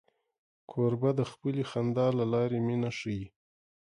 کوربه د خپلې خندا له لارې مینه ښيي.